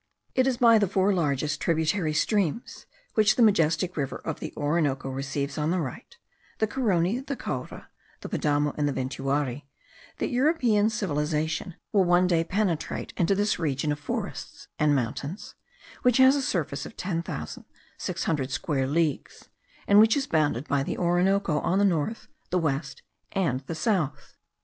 It is by the four largest tributary streams, which the majestic river of the Orinoco receives on the right (the Carony, the Caura, the Padamo, and the Ventuari), that European civilization will one day penetrate into this region of forests and mountains, which has a surface of ten thousand six hundred square leagues, and which is bounded by the Orinoco on the north, the west, and the south.